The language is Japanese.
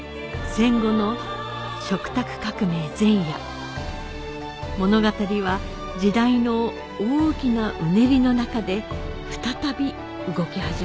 戦後の食卓革命前夜物語は時代の大きなうねりの中で再び動き始めます